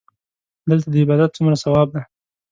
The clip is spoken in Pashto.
دلته د عبادت څومره ثواب دی.